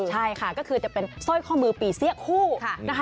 ใช่ค่ะก็คือจะเป็นสร้อยข้อมือปีเสี้ยคู่นะคะ